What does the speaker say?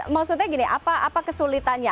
maksudnya gini apa kesulitannya